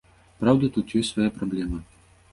Праўда, тут ёсць свае праблемы.